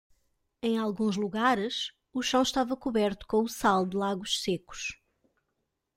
Em alguns lugares, o chão estava coberto com o sal de lagos secos.